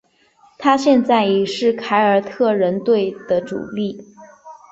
他现在已经是凯尔特人队的主力。